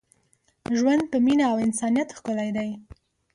ژوند په مینه او انسانیت ښکلی دی.